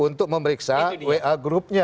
untuk memeriksa wa groupnya